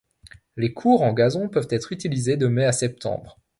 Les courts en gazon peuvent être utilisés de mai à septembre.